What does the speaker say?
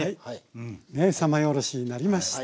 三枚おろしになりました。